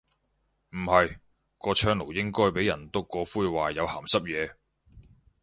唔係，個窗爐應該俾人篤過灰話有鹹濕野。